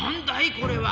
これは。